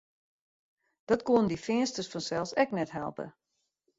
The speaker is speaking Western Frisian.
Dat koenen dy Feansters fansels ek net helpe.